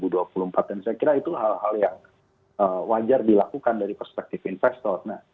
dan saya kira itu hal hal yang wajar dilakukan dari perspektif investor